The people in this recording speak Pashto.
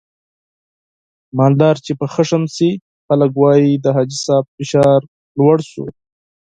مالدار چې غوسه شي خلک واي د حاجي صاحب فشار جګ شو.